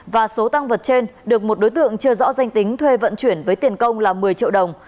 và số tăng vật trên được một đối tượng chưa rõ danh tính thuê vận chuyển với tiền công là một mươi triệu đồng